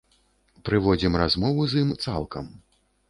Прыводзім размову з ім цалкам.